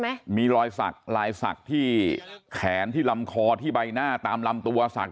ไหมมีรอยสักลายศักดิ์ที่แขนที่ลำคอที่ใบหน้าตามลำตัวศักดิ